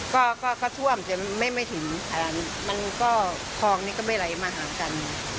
ก็เขาท่วมแต่ไม่ถึงมันก็คลองนี้ก็ไม่ไหลมาหากัน